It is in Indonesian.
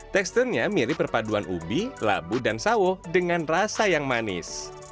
teksturnya mirip perpaduan ubi labu dan sawo dengan rasa yang manis